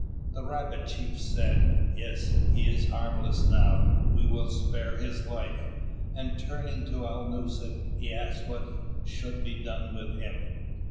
The Rabbit chief said: "Yes, he is harmless now; we will spare his life," and turning to Alnūset, he asked what should be done with him.